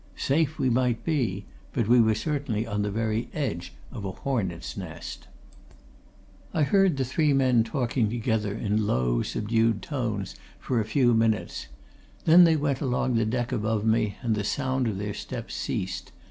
Safe we might be but we were certainly on the very edge of a hornet's nest. I heard the three men talking together in low, subdued tones for a few minutes; then they went along the deck above me and the sound of their steps ceased.